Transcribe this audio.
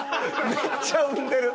めっちゃ産んでる！